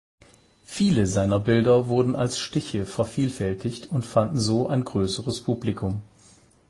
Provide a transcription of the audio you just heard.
Viele seiner Bilder wurden als Stiche vervielfältigt und fanden so ein größeres Publikum.